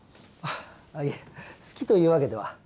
あっいえ好きというわけでは。